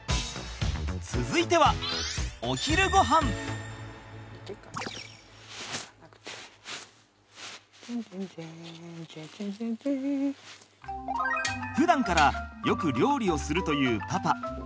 続いてはふだんからよく料理をするというパパ。